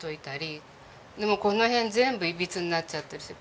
でもこの辺全部いびつになっちゃってるし。